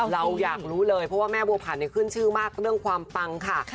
เราอยากรู้เลยเพราะว่าแม่บัวผันขึ้นชื่อมากเรื่องความปังค่ะ